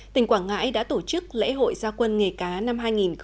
tỉnh quảng ngãi đã tổ chức lễ hội gia quân nghề cá năm hai nghìn hai mươi